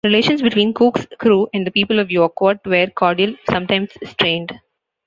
Relations between Cook's crew and the people of Yuquot were cordial if sometimes strained.